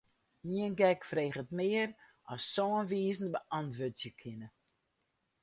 Ien gek freget mear as sân wizen beäntwurdzje kinne.